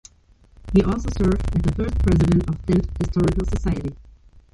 He also served as the first president of Sindh Historical Society.